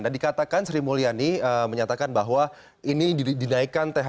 dan dikatakan sri mulyani menyatakan bahwa ini dinaikkan thr dan juga